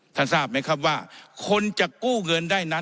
ทราบไหมครับว่าคนจะกู้เงินได้นั้น